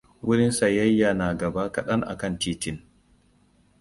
Wurin sayayya na gaba kadan akan titin.